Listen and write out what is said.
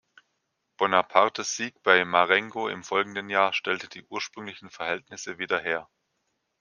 Bonapartes Sieg bei Marengo im folgenden Jahr stellte die ursprünglichen Verhältnisse wieder her.